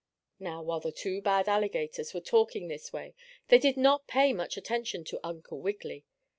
Now, while the two bad alligators were talking this way they did not pay much attention to Uncle Wiggily.